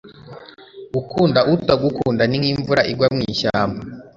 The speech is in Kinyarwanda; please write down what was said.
gukunda utagukunda ni nk'imvura igwa mu ishyamba